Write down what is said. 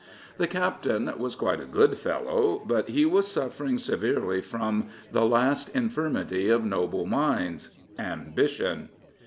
The captain was quite a good fellow; but he was suffering severely from "the last infirmity of noble minds" ambition.